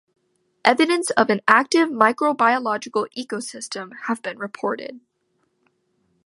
Evidence of an active microbiological ecosystem have been reported.